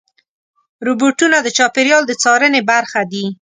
روبوټونه د چاپېریال د څارنې برخه دي.